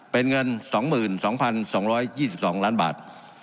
เป็นเงิน๒๒๒๒๐๐๐๐๐๐๐บาท